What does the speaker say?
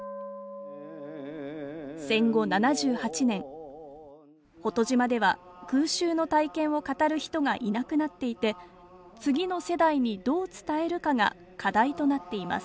戦後７８年保戸島では空襲の体験を語る人がいなくなっていて次の世代にどう伝えるかが課題となっています